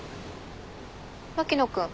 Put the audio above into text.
牧野君。